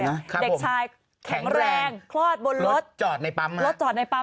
เด็กชายแข็งแรงคลอดบนรถจอดในปั๊มอ่ะรถจอดในปั๊ม